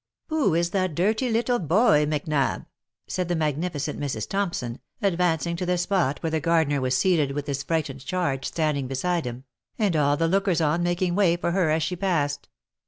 " Who is that dirty little boy, Macnab ?" said the magnificent Mrs. Thompson, advancing to the spot where the gardener was seated with his frightened charge standing beside him, and all the lookers on making way for her as she passed.